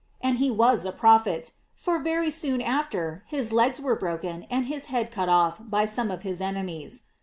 And he was a prophet: for very soon af ter his legs were broken and his head cut off by some of his enemies.